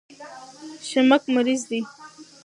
شمک مریض ده